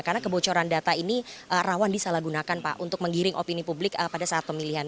karena kebocoran data ini rawan disalahgunakan pak untuk menggiring opini publik pada saat pemilihan